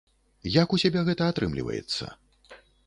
Як у цябе гэта атрымліваецца?